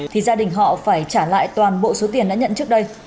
thì gia đình họ phải trả lại toàn bộ số tiền đã nhận trước đây